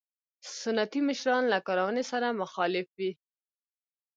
سنتي مشران له کارونې سره مخالف وو.